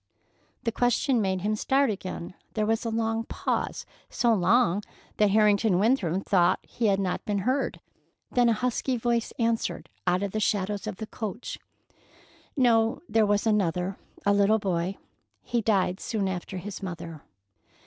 The question made him start again. There was a long pause, so long that Harrington Winthrop thought he had not been heard; then a husky voice answered out of the shadows of the coach: "No, there was another—a little boy. He died soon after his mother."